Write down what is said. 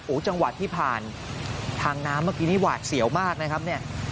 จังหวัดที่ผ่านทางน้ำเมื่อกี้นี่หวาดเสียวมากนะครับเนี่ย